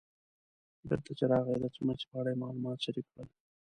بېرته چې راغی د څمڅې په اړه یې معلومات شریک کړل.